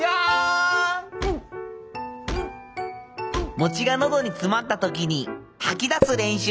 餅が喉に詰まった時に吐き出す練習。